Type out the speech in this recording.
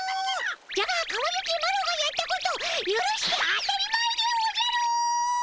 じゃがかわゆきマロがやったことゆるして当たり前でおじゃる！